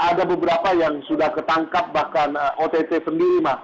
ada beberapa yang sudah ketangkap bahkan ott sendiri mas